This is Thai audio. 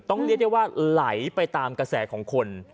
เรียกได้ว่าไหลไปตามกระแสของคน